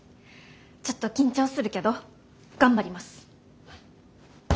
ちょっと緊張するけど頑張ります！